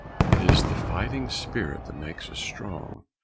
It is the fighting spirit that makes us strong.